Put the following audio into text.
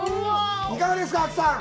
いかがですか、亜紀さん。